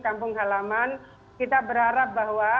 kampung halaman kita berharap bahwa